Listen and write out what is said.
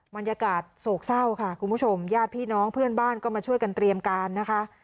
บรรยากาศโศกเศร้าค่ะคุณผู้ชมญาติพี่น้องเพื่อนบ้านก็มาช่วยกันเตรียมการนะคะ